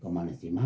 kau mana sih mah